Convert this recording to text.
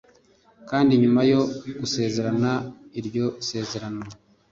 kandi nyuma yo gusezerana iryo sezerano